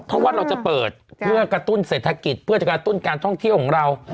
เพราะว่าเราจะเปิดเพื่อกระตุ้นเศรษฐกิจเพื่อจะกระตุ้นการท่องเที่ยวของเรา